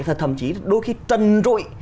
và thậm chí đôi khi trần rụi